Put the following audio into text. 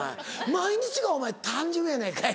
毎日がお前誕生日やないかい！